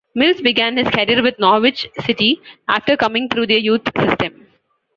Mills began his career with Norwich City after coming through their youth system.